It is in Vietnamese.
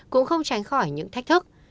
cũng không tránh khỏi những thách thức